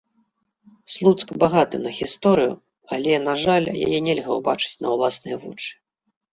Слуцк багаты на гісторыю, але, на жаль, яе нельга ўбачыць на ўласныя вочы.